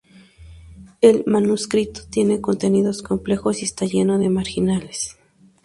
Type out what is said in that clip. El manuscrito tiene contenidos complejos y está lleno de marginales.